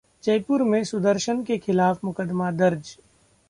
जयपुर में सुदर्शन के खिलाफ मुकदमा दर्ज